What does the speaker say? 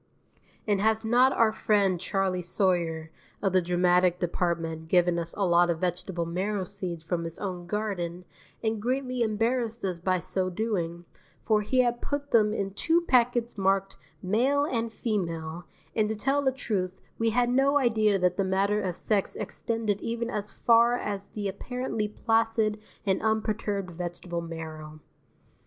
And has not our friend Charley Sawyer of the dramatic department given us a lot of vegetable marrow seeds from his own garden and greatly embarrassed us by so doing, for he has put them in two packets marked "Male" and "Female," and to tell the truth we had no idea that the matter of sex extended even as far as the apparently placid and unperturbed vegetable marrow.